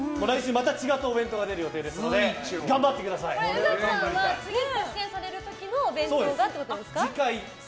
また違ったお弁当が出る予定ですので宇垣さんは次、出演される時のお弁当がってことですか？